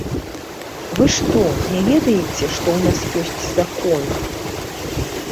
Вы што, не ведаеце, што ў нас ёсць закон?